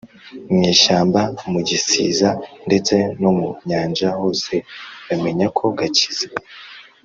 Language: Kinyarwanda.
Mw ishyamba mu gisiza Ndetse no mu nyanja hose, Bameny’ ako gakiza